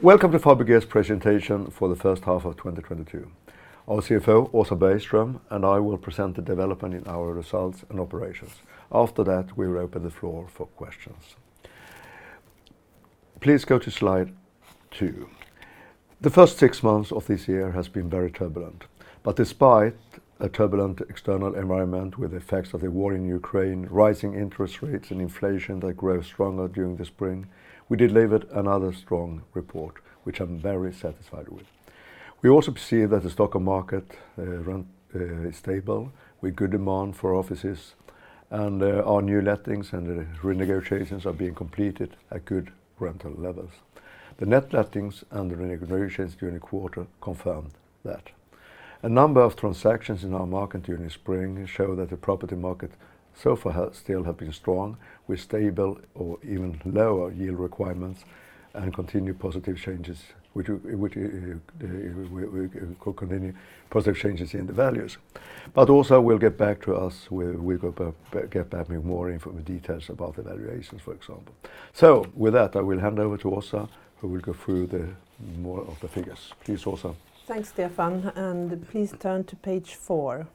Welcome to Fabege's presentation for the first half of 2022. Our CFO, Åsa Bergström, and I will present the development in our results and operations. After that, we will open the floor for questions. Please go to Slide 2. The first six months of this year has been very turbulent. Despite a turbulent external environment with effects of the war in Ukraine, rising interest rates, and inflation that grew stronger during the spring, we delivered another strong report which I'm very satisfied with. We also see that the Stockholm market remains stable with good demand for offices and our new lettings and the renegotiations are being completed at good rental levels. The net lettings and the renegotiations during the quarter confirmed that. A number of transactions in our market during the spring show that the property market so far has still have been strong with stable or even lower yield requirements and continue positive changes which we continue positive changes in the values. Also we'll get back to us get back with more info with details about the valuations, for example. With that, I will hand over to Åsa, who will go through more of the figures. Please, Åsa. Thanks, Stefan, and please turn to page 4.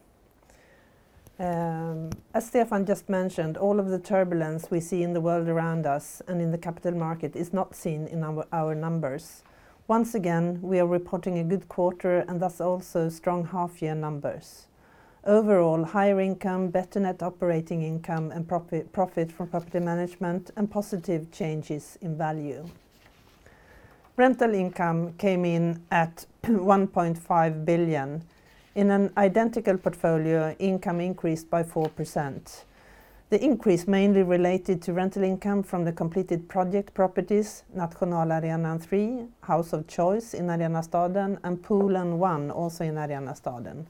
As Stefan just mentioned, all of the turbulence we see in the world around us and in the capital market is not seen in our numbers. Once again, we are reporting a good quarter and thus also strong half-year numbers. Overall, higher income, better net operating income and profit from property management and positive changes in value. Rental income came in at 1.5 billion. In an identical portfolio, income increased by 4%. The increase mainly related to rental income from the completed project properties, Nationalarenan 3, House of Choice in Arenastaden, and Poolen 1, also in Arenastaden.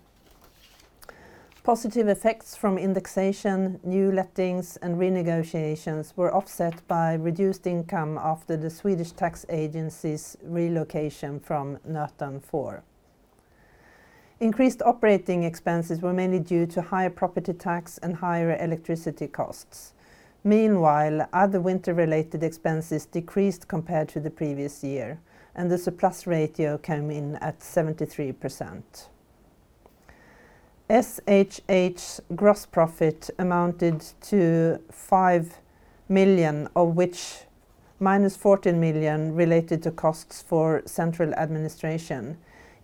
Positive effects from indexation, new lettings, and renegotiations were offset by reduced income after the Swedish Tax Agency's relocation from Nöten 4. Increased operating expenses were mainly due to higher property tax and higher electricity costs. Meanwhile, other winter-related expenses decreased compared to the previous year, and the surplus ratio came in at 73%. SHH's gross profit amounted to 5 million, of which -14 million related to costs for central administration.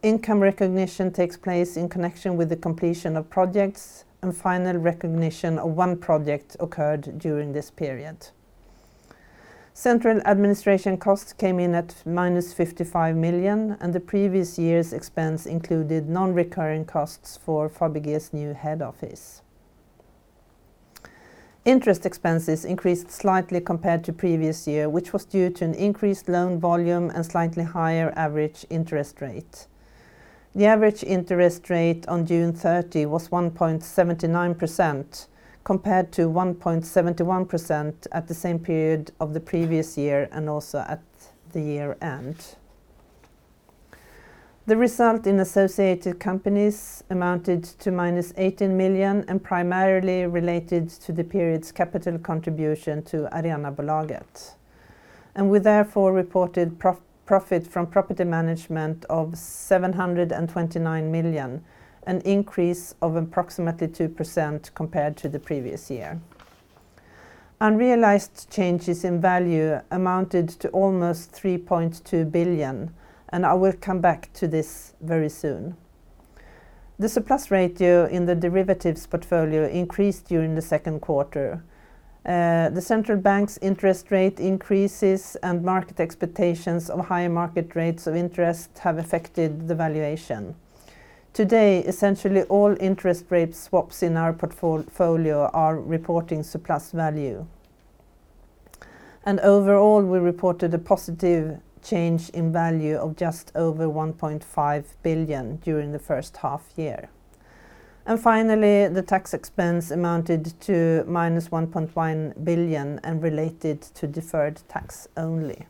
Income recognition takes place in connection with the completion of projects, and final recognition of one project occurred during this period. Central administration costs came in at -55 million, and the previous year's expense included non-recurring costs for Fabege's new head office. Interest expenses increased slightly compared to previous year, which was due to an increased loan volume and slightly higher average interest rate. The average interest rate on June 30 was 1.79% compared to 1.71% at the same period of the previous year and also at the year-end. The result in associated companies amounted to -18 million and primarily related to the period's capital contribution to Arenabolaget. We therefore reported profit from property management of 729 million, an increase of approximately 2% compared to the previous year. Unrealized changes in value amounted to almost 3.2 billion, and I will come back to this very soon. The surplus ratio in the derivatives portfolio increased during the second quarter. The central bank's interest rate increases and market expectations of higher market rates of interest have affected the valuation. Today, essentially all interest rate swaps in our portfolio are reporting surplus value. Overall, we reported a positive change in value of just over 1.5 billion during the first half year. Finally, the tax expense amounted to -1.1 billion and related to deferred tax only.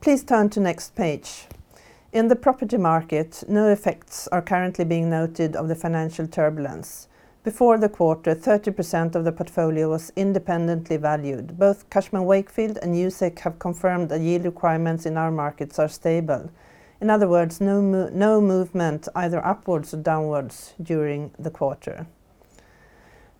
Please turn to next page. In the property market, no effects are currently being noted of the financial turbulence. Before the quarter, 30% of the portfolio was independently valued. Both Cushman & Wakefield and Newsec have confirmed that yield requirements in our markets are stable. In other words, no movement either upwards or downwards during the quarter.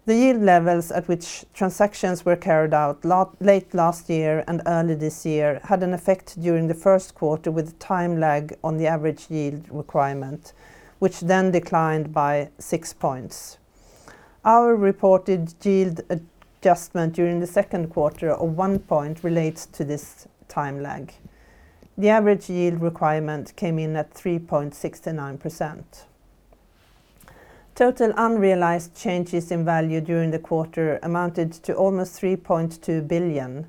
The yield levels at which transactions were carried out late last year and early this year had an effect during the first quarter with a time lag on the average yield requirement, which then declined by 6 points. Our reported yield adjustment during the second quarter of 1 point relates to this time lag. The average yield requirement came in at 3.69%. Total unrealized changes in value during the quarter amounted to almost 3.2 billion.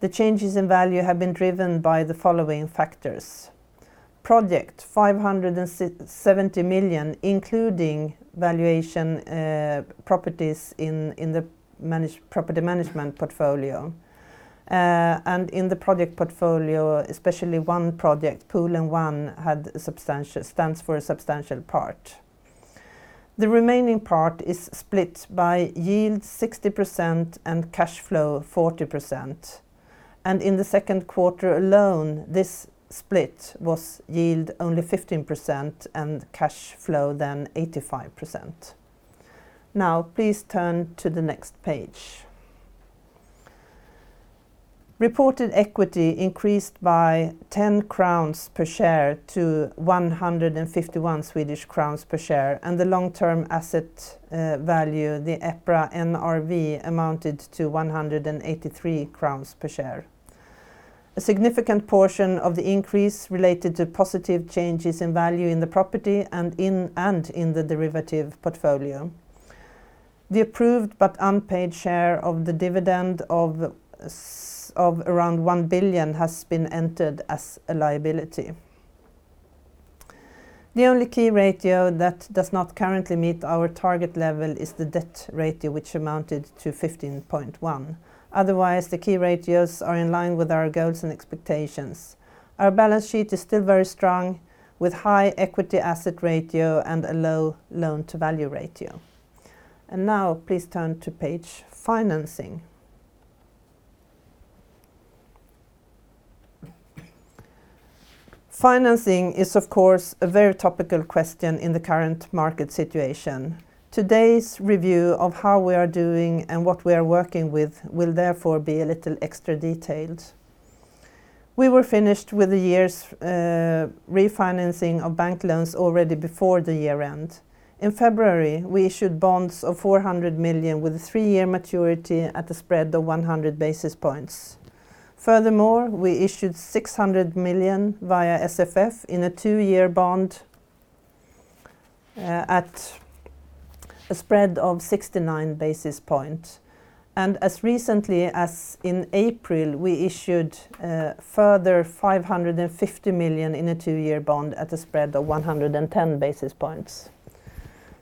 The changes in value have been driven by the following factors. Project 570 million, including valuation, properties in the property management portfolio, and in the project portfolio, especially one project, Poolen 1, stands for a substantial part. The remaining part is split by yield 60% and cash flow 40%. In the second quarter alone, this split was yield only 15% and cash flow then 85%. Now please turn to the next page. Reported equity increased by 10 crowns per share to 151 Swedish crowns per share, and the long-term asset value, the EPRA NRV, amounted to 183 crowns per share. A significant portion of the increase related to positive changes in value in the property and in the derivative portfolio. The approved but unpaid share of the dividend of around 1 billion has been entered as a liability. The only key ratio that does not currently meet our target level is the debt ratio, which amounted to 15.1%. Otherwise, the key ratios are in line with our goals and expectations. Our balance sheet is still very strong, with high equity asset ratio and a low loan-to-value ratio. Now please turn to page financing. Financing is, of course, a very topical question in the current market situation. Today's review of how we are doing and what we are working with will therefore be a little extra detailed. We were finished with the year's refinancing of bank loans already before the year end. In February, we issued bonds of 400 million with a 3-year maturity at a spread of 100 basis points. Furthermore, we issued 600 million via SFF in a 2-year bond at a spread of 69 basis points. As recently as in April, we issued a further 550 million in a 2-year bond at a spread of 110 basis points.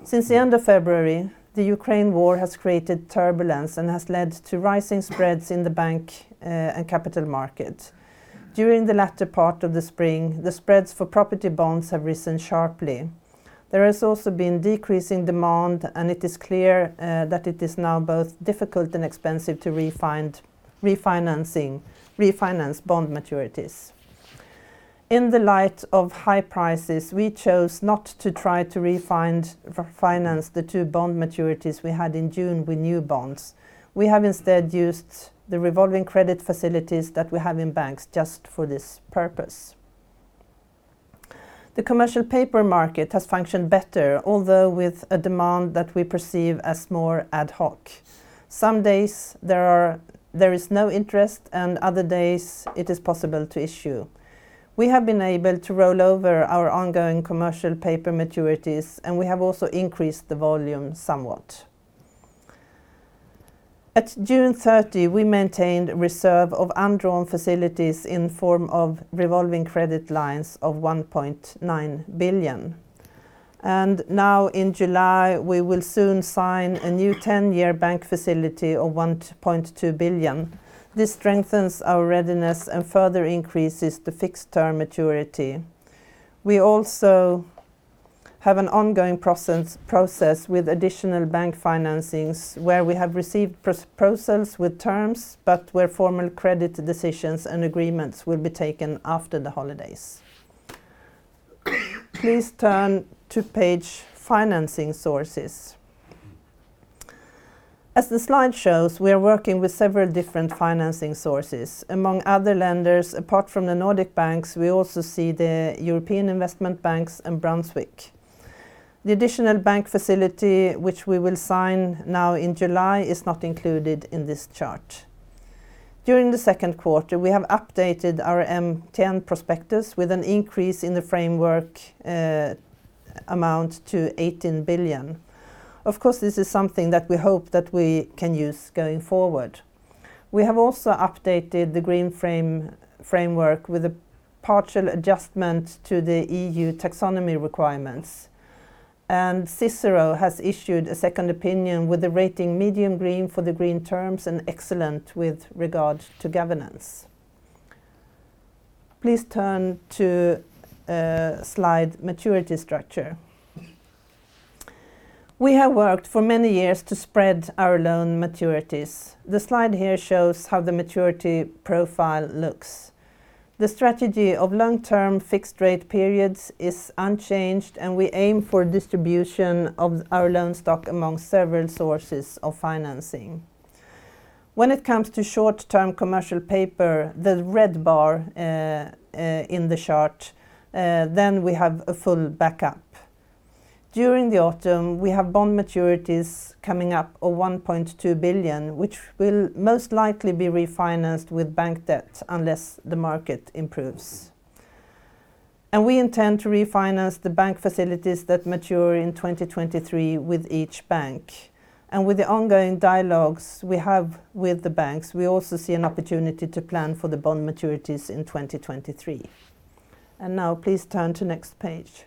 Since the end of February, the Ukraine War has created turbulence and has led to rising spreads in the bond and capital market. During the latter part of the spring, the spreads for property bonds have risen sharply. There has also been decreasing demand, and it is clear that it is now both difficult and expensive to refinance bond maturities. In the light of high prices, we chose not to try to refinance the two bond maturities we had in June with new bonds. We have instead used the revolving credit facilities that we have in banks just for this purpose. The commercial paper market has functioned better, although with a demand that we perceive as more ad hoc. Some days there is no interest, and other days it is possible to issue. We have been able to roll over our ongoing commercial paper maturities, and we have also increased the volume somewhat. At June 30, we maintained reserve of undrawn facilities in form of revolving credit lines of 1.9 billion. Now in July, we will soon sign a new ten-year bank facility of 1.2 billion. This strengthens our readiness and further increases the fixed term maturity. We also have an ongoing process with additional bank financings where we have received proposals with terms but where formal credit decisions and agreements will be taken after the holidays. Please turn to page financing sources. As the slide shows, we are working with several different financing sources. Among other lenders, apart from the Nordic banks, we also see the European Investment Bank and Brunswick. The additional bank facility which we will sign now in July is not included in this chart. During the second quarter, we have updated our MTN prospectus with an increase in the framework amount to 18 billion. Of course, this is something that we hope that we can use going forward. We have also updated the green framework with a partial adjustment to the EU taxonomy requirements. CICERO has issued a second opinion with the rating medium green for the green terms and excellent with regard to governance. Please turn to slide maturity structure. We have worked for many years to spread our loan maturities. The slide here shows how the maturity profile looks. The strategy of long-term fixed-rate periods is unchanged, and we aim for distribution of our loan stock among several sources of financing. When it comes to short-term commercial paper, the red bar in the chart, then we have a full backup. During the autumn, we have bond maturities coming up of 1.2 billion, which will most likely be refinanced with bank debt unless the market improves. We intend to refinance the bank facilities that mature in 2023 with each bank. With the ongoing dialogues we have with the banks, we also see an opportunity to plan for the bond maturities in 2023. Now please turn to next page.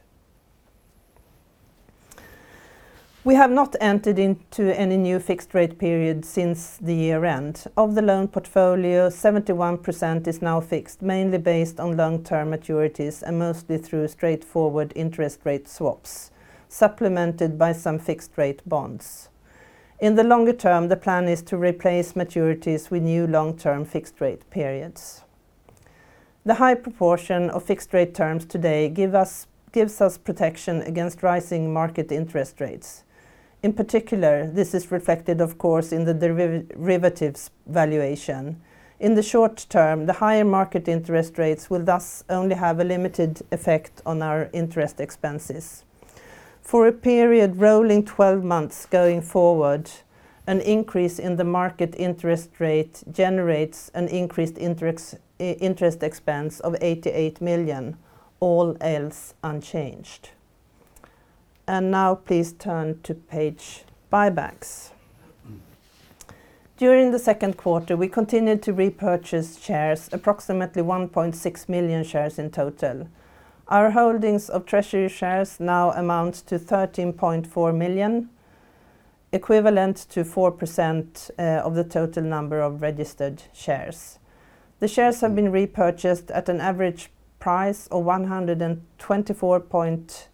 We have not entered into any new fixed rate period since the year end. Of the loan portfolio, 71% is now fixed, mainly based on long-term maturities and mostly through straightforward interest rate swaps, supplemented by some fixed rate bonds. In the longer term, the plan is to replace maturities with new long-term fixed rate periods. The high proportion of fixed rate terms today gives us protection against rising market interest rates. In particular, this is reflected of course, in the derivatives valuation. In the short term, the higher market interest rates will thus only have a limited effect on our interest expenses. For a period rolling 12 months going forward, an increase in the market interest rate generates an increased interest expense of 88 million, all else unchanged. Now please turn to page buybacks. During the second quarter, we continued to repurchase shares, approximately 1.6 million shares in total. Our holdings of treasury shares now amount to 13.4 million, equivalent to 4% of the total number of registered shares. The shares have been repurchased at an average price of 124.95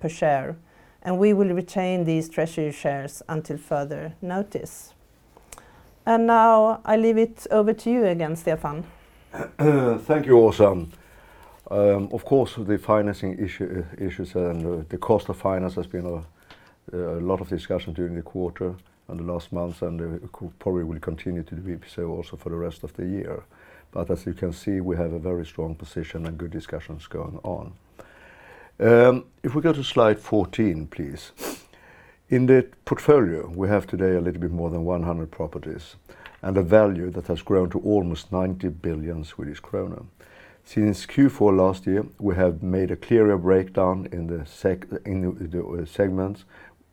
per share, and we will retain these treasury shares until further notice. Now I leave it over to you again, Stefan. Thank you, Åsa. Of course, the financing issues and the cost of finance has been a lot of discussion during the quarter and the last months, and it probably will continue to be so also for the rest of the year. As you can see, we have a very strong position and good discussions going on. If we go to Slide 14, please. In the portfolio, we have today a little bit more than 100 properties and a value that has grown to almost 90 billion Swedish kronor. Since Q4 last year, we have made a clearer breakdown in the segments,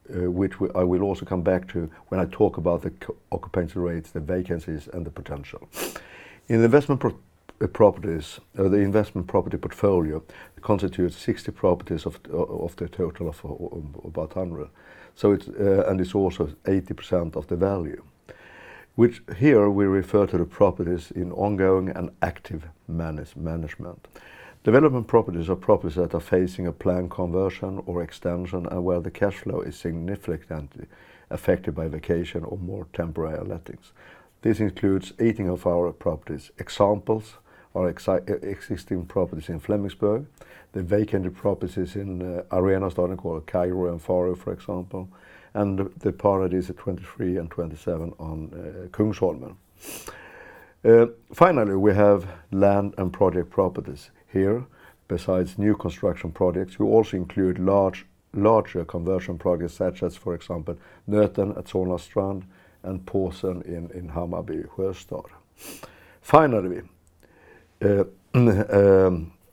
which I will also come back to when I talk about the occupancy rates, the vacancies, and the potential. In investment properties, the investment property portfolio constitutes 60 properties of the total of about 100. It's and it's also 80% of the value, which here we refer to the properties in ongoing and active management. Development properties are properties that are facing a planned conversion or extension and where the cash flow is significantly affected by vacancy or more temporary lettings. This includes 18 of our properties. Examples are existing properties in Flemingsberg, the vacant properties in Arenastaden called Kairo and Farao, for example, and the properties at 23 and 27 on Kungsholmen. Finally, we have land and project properties here. Besides new construction projects, we also include larger conversion projects such as, for example, Nöten at Solna Strand and Påsen in Hammarby Sjöstad. Finally,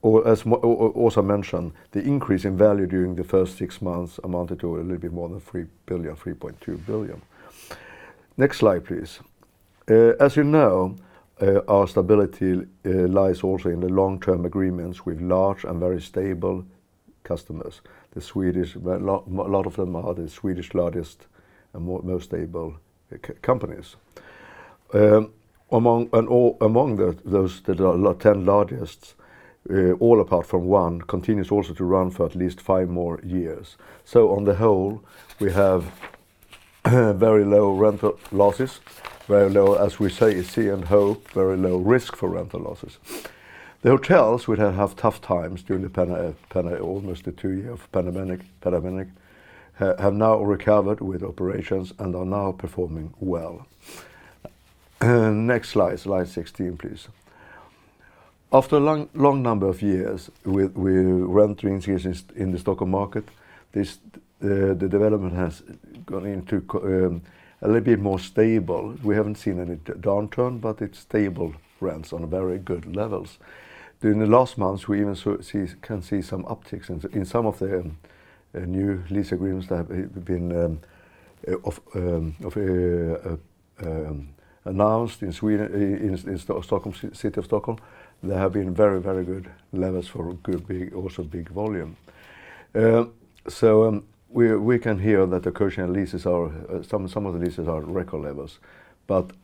or as Åsa mentioned, the increase in value during the first 6 months amounted to a little bit more than 3 billion-3.2 billion. Next slide, please. As you know, our stability lies also in the long-term agreements with large and very stable customers. A lot of them are the Swedish largest and most stable companies. Among those that are the 10 largest, all apart from one, continues also to run for at least 5 more years. On the whole, we have very low rental losses, very low, as we say, vacancy and low, very low risk for rental losses. The hotels, which have had tough times during the pandemic, almost the 2 years of the pandemic, have now recovered with operations and are now performing well. Next Slide 16, please. After a long number of years with rent increases in the Stockholm market, the development has gone into a little bit more stable. We haven't seen any downturn, but it's stable rents on very good levels. During the last months, we even so can see some upticks in some of the new lease agreements that have been announced in Sweden, in Stockholm, city of Stockholm. There have been very good levels for good, big volume. We can hear that some of the leases are at record levels.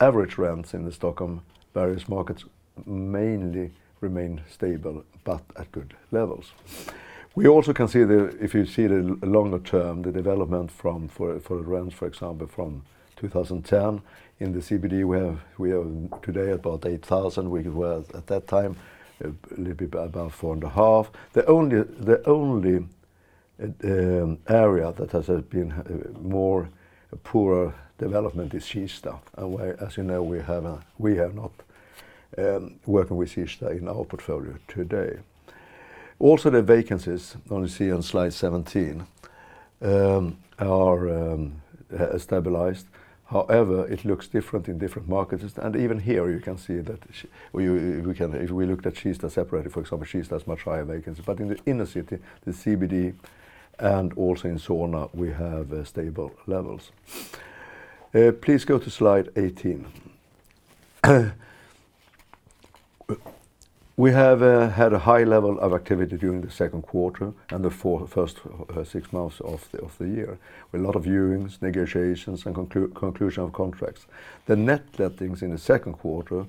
Average rents in the various Stockholm markets mainly remain stable but at good levels. We also can see if you see the longer term, the development for rents, for example, from 2010. In the CBD, we have today about 8,000. We were at that time a little bit about 4,500. The only area that has been poorer development is Kista. We, as you know, have not working with Kista in our portfolio today. Also, the vacancies, only see on Slide 17, has stabilized. However, it looks different in different markets. Even here you can see that in Solna. We can. If we looked at Kista separately, for example, Kista has much higher vacancy. But in the inner city, the CBD, and also in Solna, we have stable levels. Please go to Slide 18. We have had a high level of activity during the second quarter and the first six months of the year, with a lot of viewings, negotiations, and conclusion of contracts. The net lettings in the second quarter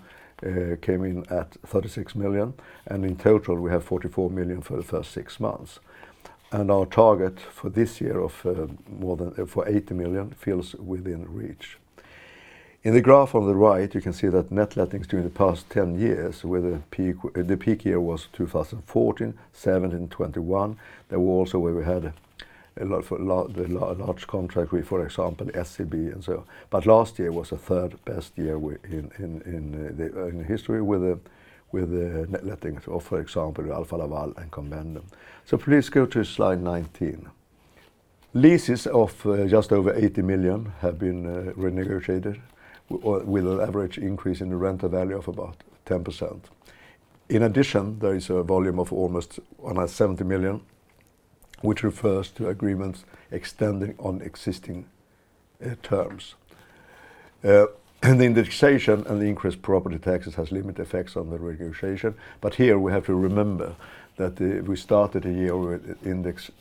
came in at 36 million, and in total, we have 44 million for the first six months. Our target for this year of more than 80 million feels within reach. In the graph on the right, you can see that net lettings during the past 10 years, where the peak year was 2014, 2017, 2021. There were also where we had a large contract with, for example, SCB and so. Last year was the third best year in history with the net lettings of, for example, Alfa Laval and Convendum. Please go to Slide 19. Leases of just over 80 million have been renegotiated with an average increase in the rental value of about 10%. In addition, there is a volume of almost 70 million which refers to agreements extending on existing terms. The indexation and the increased property taxes has limited effects on the renegotiation. Here we have to remember that we started a year with index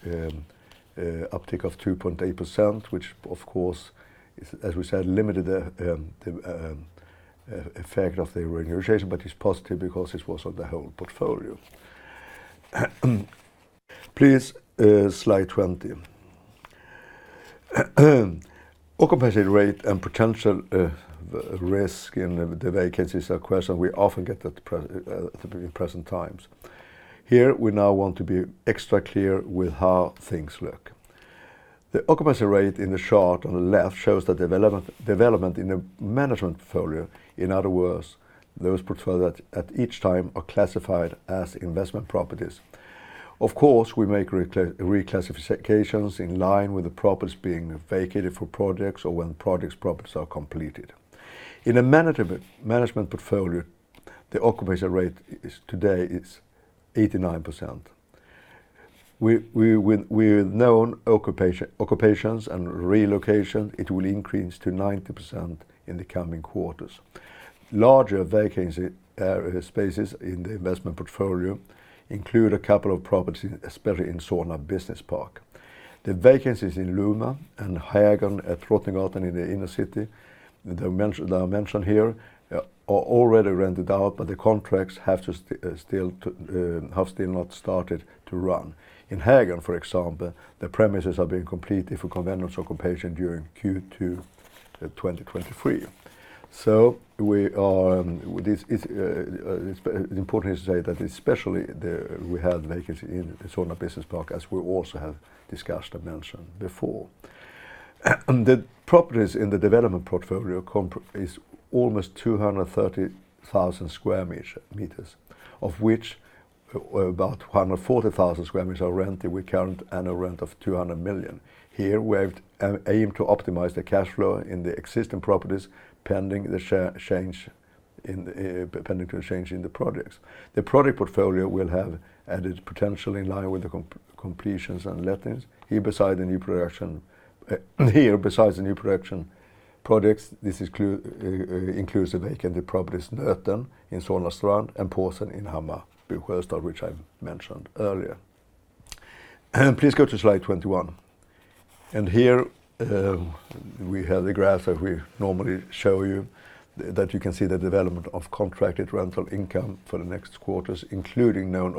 uptick of 2.8%, which of course is, as we said, limited the effect of the renegotiation, but it's positive because it was on the whole portfolio. Please Slide 20. Occupancy rate and potential risk in the vacancies are questions we often get at the present times. Here, we now want to be extra clear with how things look. The occupancy rate in the chart on the left shows the development in the management portfolio. In other words, those portfolio that at each time are classified as investment properties. Of course, we make reclassifications in line with the properties being vacated for projects or when projects properties are completed. In a management portfolio, the occupancy rate today is 89%. With known occupations and relocation, it will increase to 90% in the coming quarters. Larger vacancy spaces in the investment portfolio include a couple of properties, especially in Solna Business Park. The vacancies in [Luma and Hjorthagen] at Fleminggatan in the inner city, that are mentioned here, are already rented out, but the contracts have still not started to run. In [Hjorthagen], for example, the premises are being completed for Convendum's occupation during Q2 2023. We are, this is, it is important to say that especially we have vacancy in Solna Business Park, as we also have discussed and mentioned before. The properties in the development portfolio is almost 230,000 square meters, of which, about 140,000 sq m are rented with current annual rent of 200 million. Here, we have aim to optimize the cash flow in the existing properties pending the change in, pending to a change in the projects. The project portfolio will have added potential in line with the completions and lettings. Besides the new production projects, this includes the vacant properties Nöten in Solna Strand and Påsen in Hammarby Sjöstad, which I mentioned earlier. Please go to Slide 21. Here, we have the graph that we normally show you, that you can see the development of contracted rental income for the next quarters, including known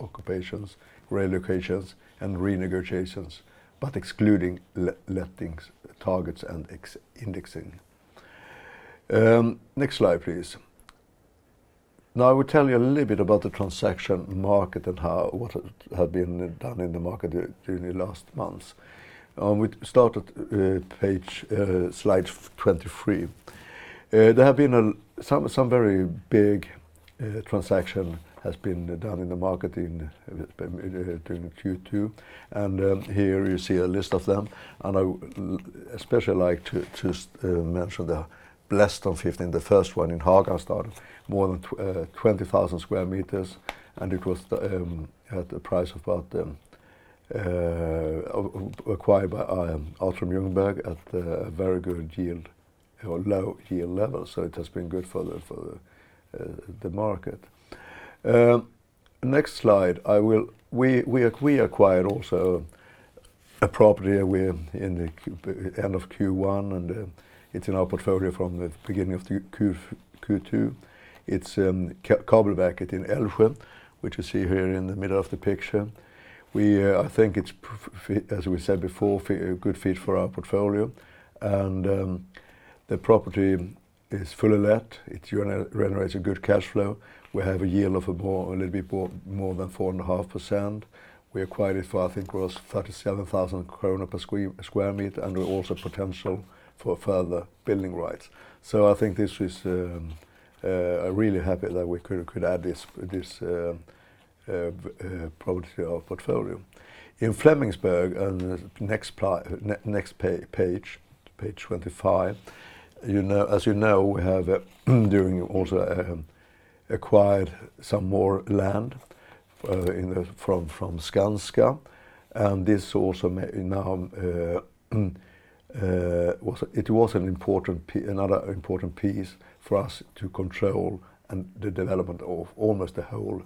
occupations, relocations, and renegotiations, but excluding lettings, targets, and ex-indexing. Next slide, please. Now, I will tell you a little bit about the transaction market and what had been done in the market during the last months. We start at Slide 23. There have been some very big transactions have been done in the market during Q2. Here you see a list of them. I especially like to mention the Blästern 15, the first one in Hagastaden, more than 20,000 sq m. It was acquired at a price of about by Atrium Ljungberg at a very good yield or low yield level. It has been good for the market. Next slide. We acquired also a property at the end of Q1, and it's in our portfolio from the beginning of Q2. It's Karlabacken in Älvsjö, which you see here in the middle of the picture. We think it's a perfect fit, as we said before, a good fit for our portfolio. The property is fully let. It generates a good cash flow. We have a yield of a little bit more than 4.5%. We acquired it for, I think it was 37,000 krona per sq m, and also potential for further building rights. I think I'm really happy that we could add this property to our portfolio. In Flemingsberg, on the next page 25, you know, as you know, we have during also acquired some more land from Skanska. This also was another important piece for us to control the development of almost the whole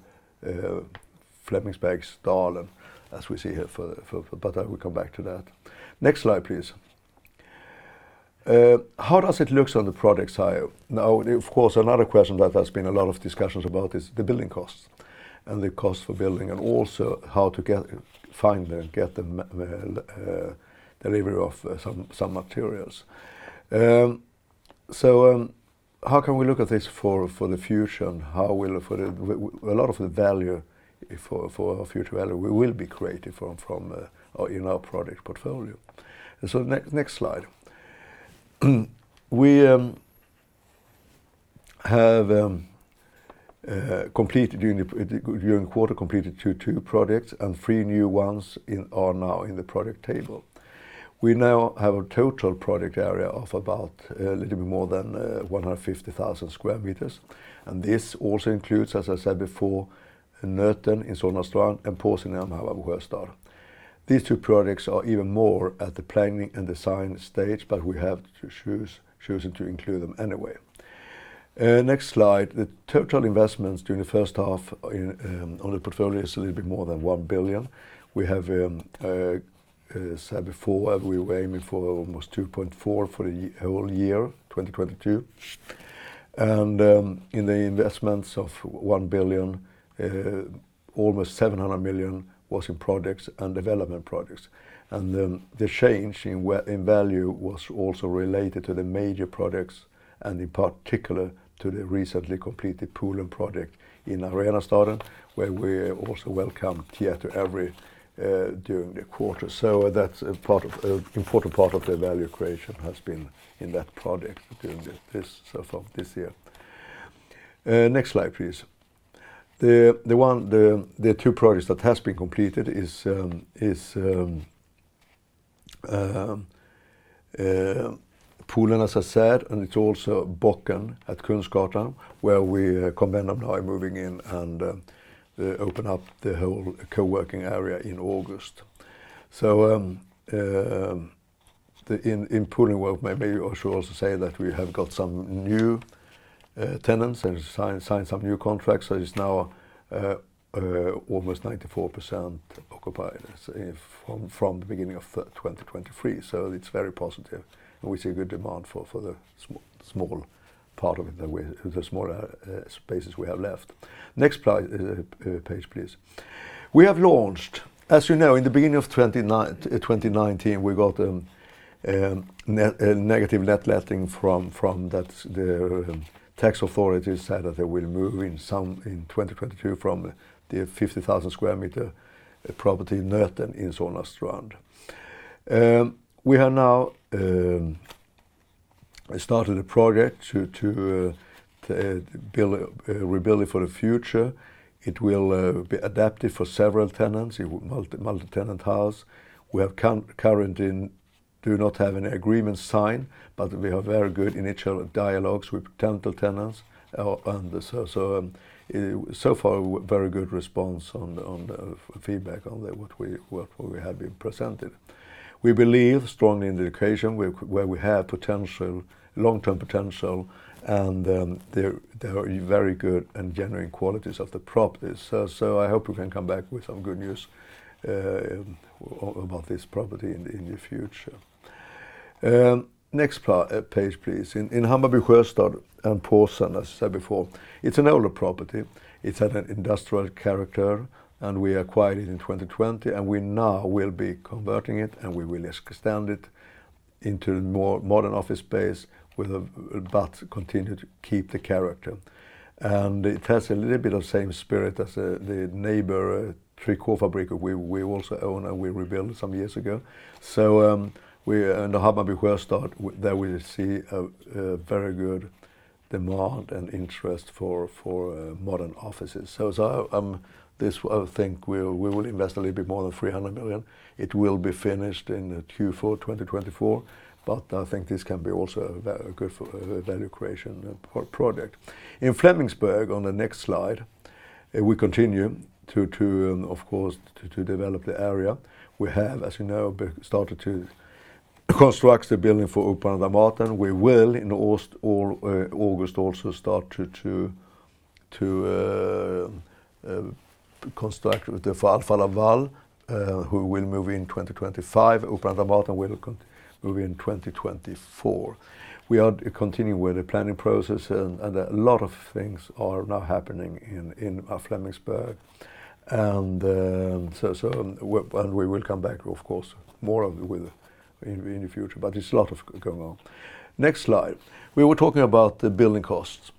Flemingsbergsdalen, as we see here. I will come back to that. Next slide, please. How does it look on the project side? Now, of course, another question that has been a lot of discussions about is the building costs and the cost for building, and also how to get the delivery of some materials. How can we look at this for the future, and how will it. A lot of the value for our future value will be created from or in our project portfolio. Next slide. We have completed during the quarter two projects, and three new ones are now in the project table. We now have a total project area of about a little bit more than 150,000 square meters, and this also includes, as I said before, Nöten in Solna Strand, and Påsen in Hammarby Sjöstad. These two projects are even more at the planning and design stage, but we have chosen to include them anyway. Next slide. The total investments during the first half on the portfolio is a little bit more than 1 billion. We have, as said before, we were aiming for almost 2.4 billion for the whole year, 2022. In the investments of 1 billion, almost 700 million was in projects and development projects. The change in value was also related to the major projects, and in particular to the recently completed Poolen project in Arenastaden, where we also welcomed the [theater] during the quarter. That's an important part of the value creation has been in that project during this year. Next slide, please. The two projects that has been completed is Poolen, as I said, and it's also Bocken at Kungsgatan, where we, Convendum, now are moving in and open up the whole co-working area in August. In Poolen, well, maybe I should also say that we have got some new tenants and sign some new contracts. It's now almost 94% occupied as of from the beginning of 2023. It's very positive, and we see a good demand for the small part of it that we, the smaller spaces we have left. Next slide, page, please. We have launched. As you know, in the beginning of 2019, we got negative letting from the Swedish Tax Agency that they will move out in 2022 from the 50,000 sq m property Nöten in Solna Strand. We have now started a project to rebuild it for the future. It will be adapted for several tenants. It will multi-tenant house. We currently do not have an agreement signed, but we have very good initial dialogues with potential tenants. So far, very good response on the feedback on what we have presented. We believe strongly in the location where we have potential, long-term potential, and there are very good and genuine qualities of the property. I hope we can come back with some good news about this property in the future. Next page, please. In Hammarby Sjöstad and Påsen, as I said before, it's an older property. It's had an industrial character, and we acquired it in 2020, and we now will be converting it, and we will extend it into more modern office space but continue to keep the character. It has a little bit of same spirit as the neighbor Trikåfabriken we also own, and we revealed some years ago. We in Hammarby Sjöstad there we see a very good demand and interest for modern offices. This, I think, we will invest a little bit more than 300 million. It will be finished in Q4 2024, but I think this can be also a very good value creation project. In Flemingsberg, on the next slide, we continue to, of course, develop the area. We have, as you know, started to construct the building for Opera and Dramaten. We will in August also start to construct with the Alpha Laval, who will move in 2025. Opera and Dramaten will move in 2024. We are continuing with the planning process, and a lot of things are now happening in Flemingsberg. We will come back, of course, with more on it in the future, but it's a lot of going on. Next slide. We were talking about the building costs.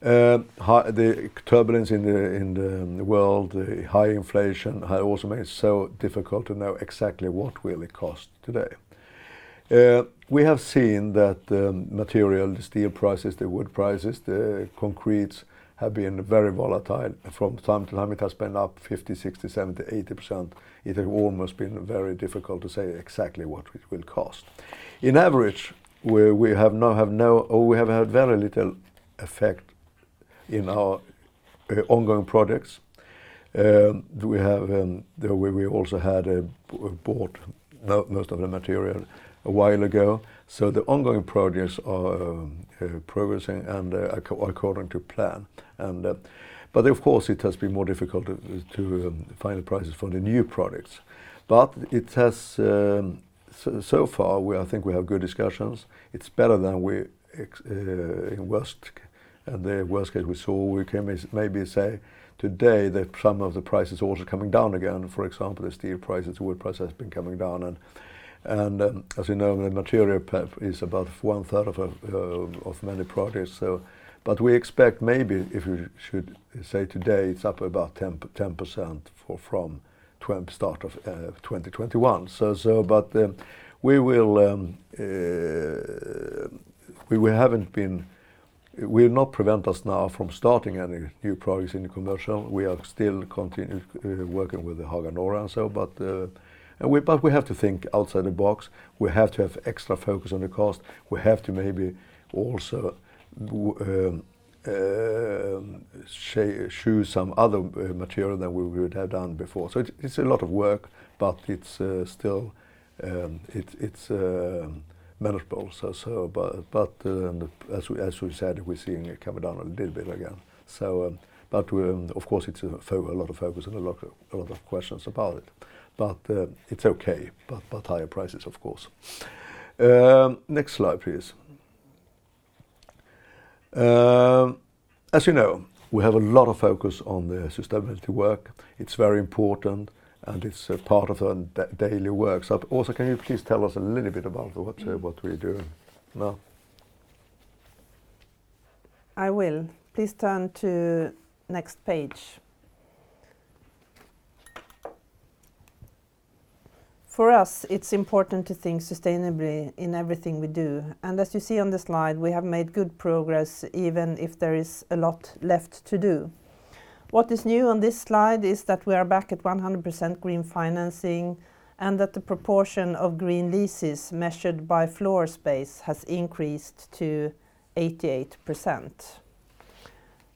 The turbulence in the world, the high inflation has also made it so difficult to know exactly what will it cost today. We have seen that the material, the steel prices, the wood prices, the concrete have been very volatile. From time to time, it has been up 50%, 60%, 70%, 80%. It has almost been very difficult to say exactly what it will cost. On average, we have had very little effect in our ongoing projects. We also had bought most of the material a while ago. The ongoing projects are progressing according to plan. But of course, it has been more difficult to find the prices for the new projects. It has so far. I think we have good discussions. It's better than we expected in the worst case we saw. We can maybe say today that some of the price is also coming down again. For example, the steel prices, wood price has been coming down. As you know, the material price is about one third of many projects. But we will not prevent us now from starting any new projects in the commercial. We are still continue working with the Haga Norra. We have to think outside the box. We have to have extra focus on the cost. We have to maybe also choose some other material than we would have done before. It's a lot of work, but it's still manageable. As we said, we're seeing it come down a little bit again. Of course it's a lot of focus and a lot of questions about it, but it's okay. Higher prices of course. Next slide, please. As you know, we have a lot of focus on the sustainability work. It's very important and it's a part of our daily work. Also, can you please tell us a little bit about what we are doing? Åsa. I will. Please turn to next page. For us, it's important to think sustainably in everything we do. As you see on the slide, we have made good progress even if there is a lot left to do. What is new on this slide is that we are back at 100% green financing, and that the proportion of green leases measured by floor space has increased to 88%.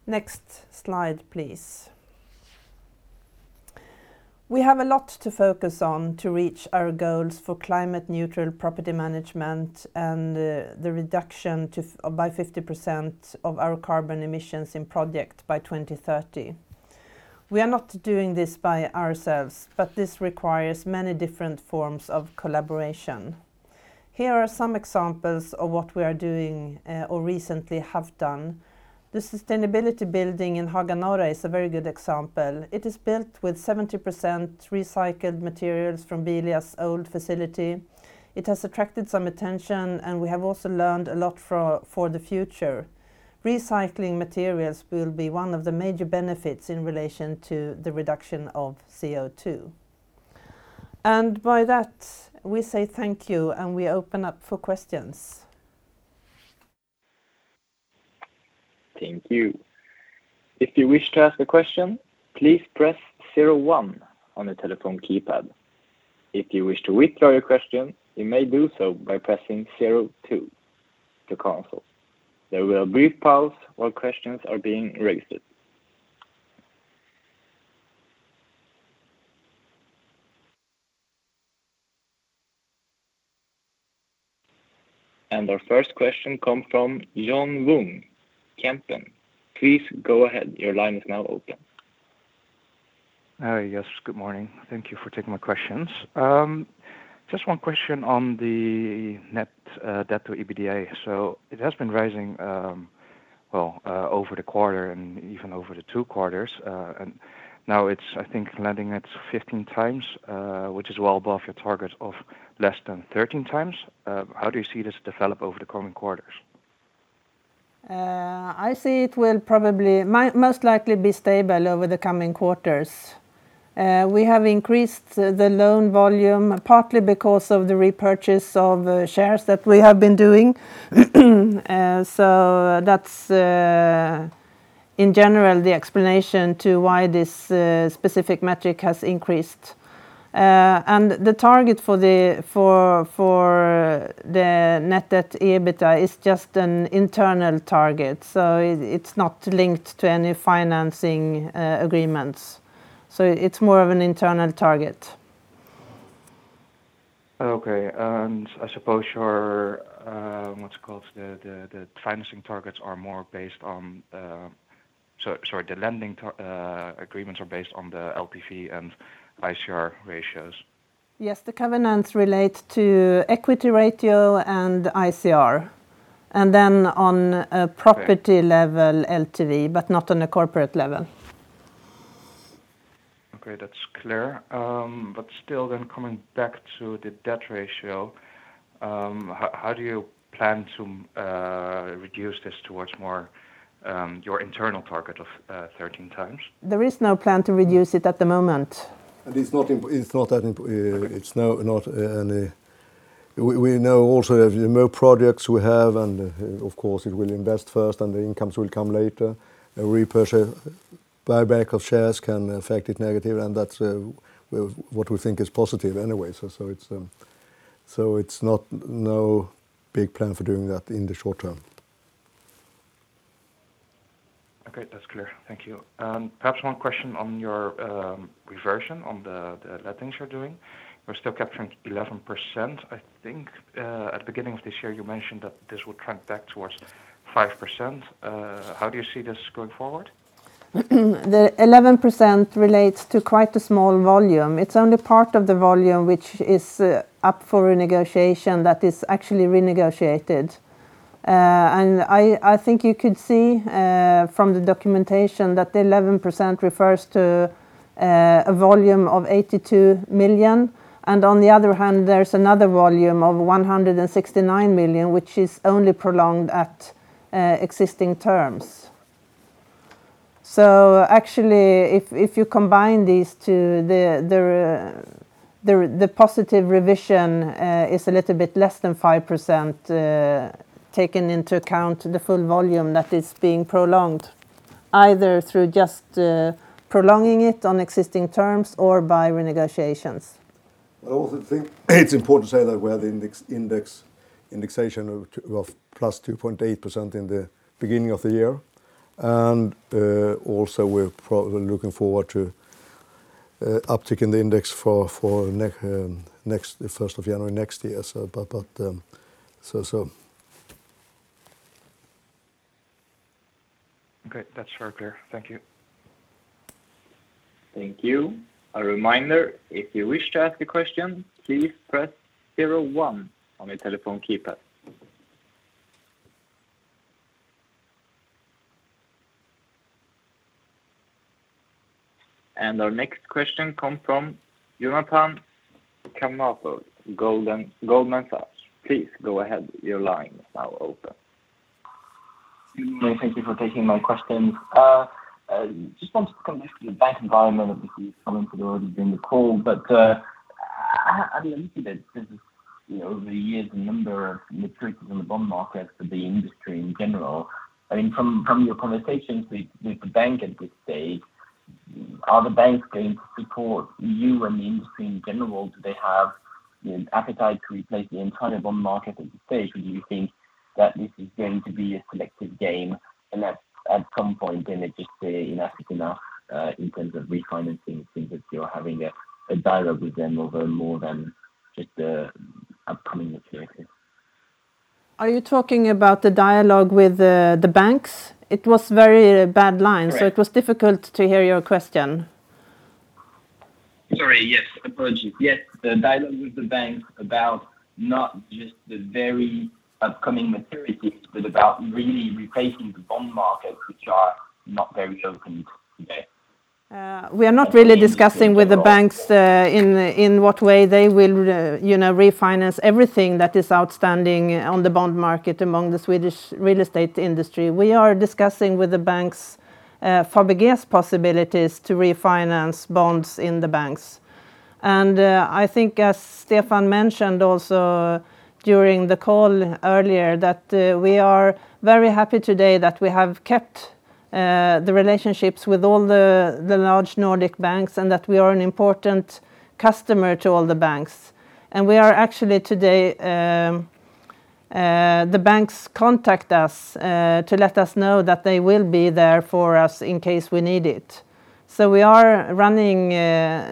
Next slide, please. We have a lot to focus on to reach our goals for climate neutral property management and the reduction by 50% of our carbon emissions in projects by 2030. We are not doing this by ourselves, but this requires many different forms of collaboration. Here are some examples of what we are doing or recently have done. The sustainability building in Haga Norra is a very good example. It is built with 70% recycled materials from Bilias old facility. It has attracted some attention, and we have also learned a lot for the future. Recycling materials will be one of the major benefits in relation to the reduction of CO2. By that we say thank you and we open up for questions. Thank you. If you wish to ask a question, please press zero one on the telephone keypad. If you wish to withdraw your question, you may do so by pressing zero two to cancel. There will be a brief pause while questions are being registered. Our first question comes from John Vuong, Kempen. Please go ahead. Your line is now open. Hi. Yes, good morning. Thank you for taking my questions. Just one question on the Net Debt to EBITDA. It has been rising over the quarter and even over the two quarters. Now it's, I think, landing at 15x, which is well above your target of less than 13x. How do you see this develop over the coming quarters? I see it will probably most likely be stable over the coming quarters. We have increased the loan volume partly because of the repurchase of shares that we have been doing. That's in general the explanation to why this specific metric has increased. The target for the Net Debt EBITDA is just an internal target, so it's not linked to any financing agreements. It's more of an internal target. Okay. I suppose your what's it called? The financing targets are more based on. Sorry. The lending agreements are based on the LTV and ICR ratios. Yes. The covenants relate to equity ratio and ICR, and then on a property. Okay level LTV, but not on a corporate level. Okay. That's clear. Still then coming back to the debt ratio, how do you plan to reduce this towards more your internal target of 13x? There is no plan to reduce it at the moment. It's not that important. We know also the more projects we have, and of course it will invest first and the incomes will come later. A repurchase buyback of shares can affect it negative, and that's what we think is positive anyway. It's not no big plan for doing that in the short term. Okay. That's clear. Thank you. Perhaps one question on your reversion on the lettings you're doing. We're still capturing 11%, I think. At the beginning of this year you mentioned that this would trend back towards 5%. How do you see this going forward? The 11% relates to quite a small volume. It's only part of the volume which is up for renegotiation that is actually renegotiated. I think you could see from the documentation that the 11% refers to a volume of 82 million. On the other hand, there's another volume of 169 million, which is only prolonged at existing terms. Actually if you combine these two, the positive revision is a little bit less than 5%, taken into account the full volume that is being prolonged either through just prolonging it on existing terms or by renegotiations. I also think it's important to say that we have the indexation of +2.8% in the beginning of the year. Also, we're looking forward to uptick in the index for the first of January next year. Okay, that's very clear. Thank you. Thank you. A reminder, if you wish to ask a question, please press zero one on your telephone keypad. Our next question comes from Jonathan Kownator, Goldman Sachs. Please go ahead. Your line is now open. Thank you for taking my questions. Just wanted to come back to the bank environment. Obviously, someone had already been in the call, but obviously there's, you know, over the years a number of maturities in the bond market for the industry in general. I mean, from your conversations with the bank at this stage, are the banks going to support you and the industry in general? Do they have the appetite to replace the entire bond market at this stage? Do you think that this is going to be a selective game and at some point they may just say enough is enough in terms of refinancing since you're having a dialogue with them over more than just the upcoming maturities? Are you talking about the dialogue with the banks? It was very bad line. Correct. It was difficult to hear your question. Sorry. Yes. Apologies. Yes, the dialogue with the banks about not just the very upcoming maturities, but about really replacing the bond markets which are not very open today. We are not really discussing with the banks in what way they will you know refinance everything that is outstanding on the bond market among the Swedish real estate industry. We are discussing with the banks Fabege's possibilities to refinance bonds in the banks. I think as Stefan mentioned also during the call earlier that we are very happy today that we have kept the relationships with all the large Nordic banks and that we are an important customer to all the banks. We are actually today the banks contact us to let us know that they will be there for us in case we need it. We are running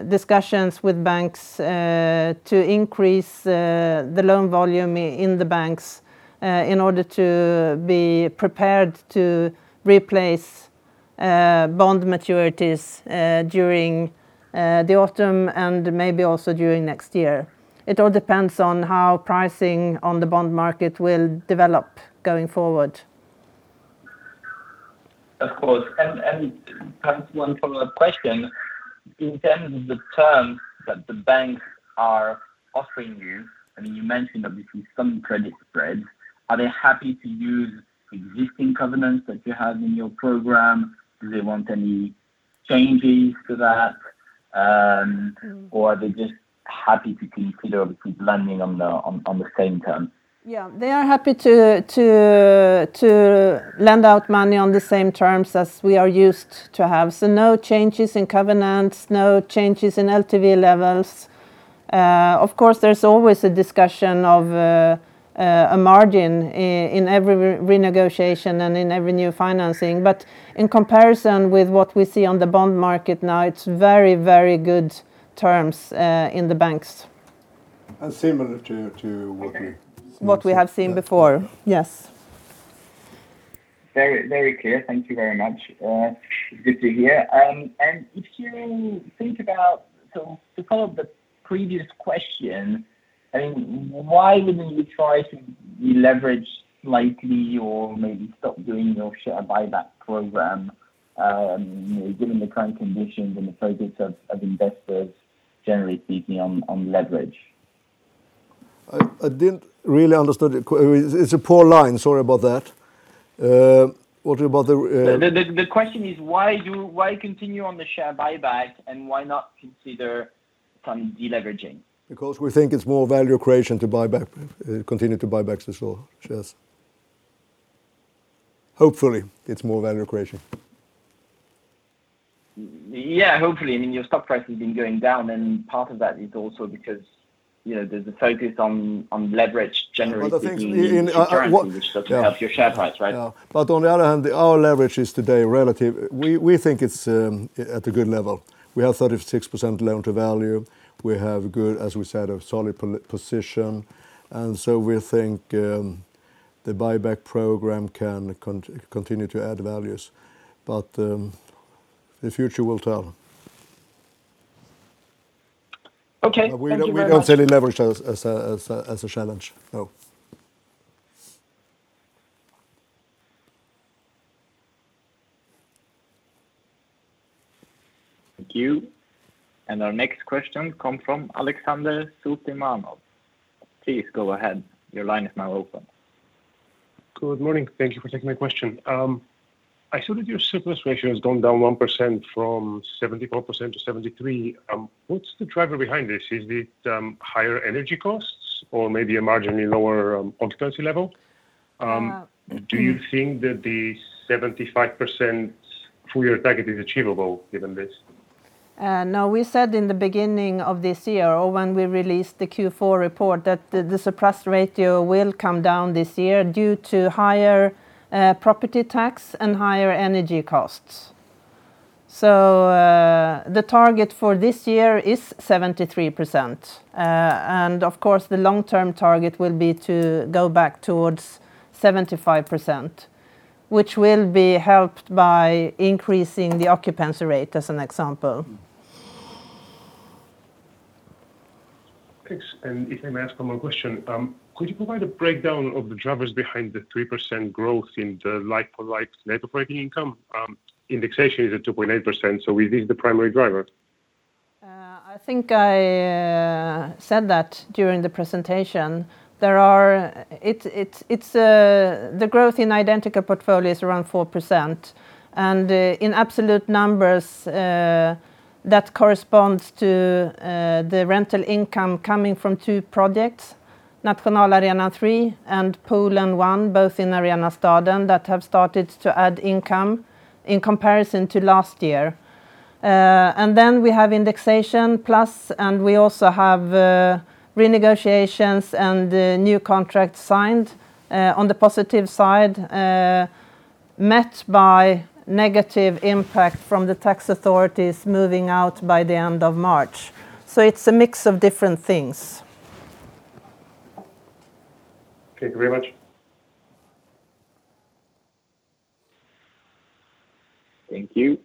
discussions with banks to increase the loan volume in the banks in order to be prepared to replace bond maturities during the autumn and maybe also during next year. It all depends on how pricing on the bond market will develop going forward. Of course. Perhaps one follow-up question. In terms of the terms that the banks are offering you, I mean, you mentioned obviously some credit spreads. Are they happy to use existing covenants that you have in your program? Do they want any changes to that? Or are they just happy to keep lending on the same terms? Yeah. They are happy to lend out money on the same terms as we are used to have. No changes in covenants, no changes in LTV levels. Of course, there's always a discussion of a margin in every renegotiation and in every new financing. In comparison with what we see on the bond market now, it's very good terms in the banks. Similar to what we What we have seen before. Yes. Very, very clear. Thank you very much. Good to hear. To follow up the previous question, I mean, why wouldn't you try to deleverage slightly or maybe stop doing your share buyback program, you know, given the current conditions and the focus of investors generally being on leverage? I didn't really understood it. It's a poor line. Sorry about that. What about the- The question is why continue on the share buyback and why not consider some deleveraging? Because we think it's more value creation to continue to buy back the shares. Hopefully, it's more value creation. Yeah. Hopefully. I mean, your stock price has been going down, and part of that is also because, you know, there's a focus on leverage generally. The thing is in. Which helps your share price, right? On the other hand, our leverage is today relatively. We think it's at a good level. We have 36% loan to value. We have good, as we said, a solid position. We think the buyback program can continue to add value, but the future will tell. Okay. Thank you very much. We don't see any leverage as a challenge, no. Thank you. Our next question come from [Alexander Tulsimano]. Please go ahead. Your line is now open. Good morning. Thank you for taking my question. I saw that your surplus ratio has gone down 1% from 74% to 73%. What's the driver behind this? Is it higher energy costs or maybe a marginally lower occupancy level? Do you think that the 75% full year target is achievable given this? No. We said in the beginning of this year or when we released the Q4 report that the surplus ratio will come down this year due to higher property tax and higher energy costs. The target for this year is 73%. Of course, the long-term target will be to go back towards 75%, which will be helped by increasing the occupancy rate as an example. Thanks. If I may ask one more question. Could you provide a breakdown of the drivers behind the 3% growth in the like-for-like net operating income? Indexation is at 2.8%, so is this the primary driver? I think I said that during the presentation. It's the growth in identical portfolio is around 4%. In absolute numbers, that corresponds to the rental income coming from two projects, Nationalarenan 3 and Poolen 1, both in Arenastaden, that have started to add income in comparison to last year. We have indexation plus, and we also have renegotiations and the new contract signed on the positive side, met by negative impact from the tax authorities moving out by the end of March. It's a mix of different things. Okay. Thank you very much. Thank you.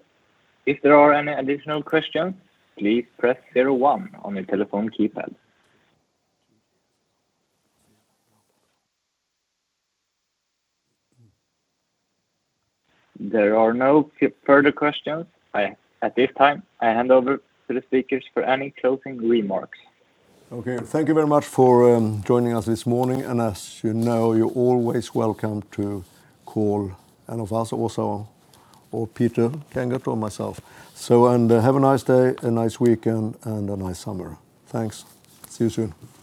If there are any additional questions, please press zero-one on your telephone keypad. There are no further questions at this time. I hand over to the speakers for any closing remarks. Okay. Thank you very much for joining us this morning. As you know, you're always welcome to call any of us also, or Peter Kangert or myself. Have a nice day, a nice weekend, and a nice summer. Thanks. See you soon.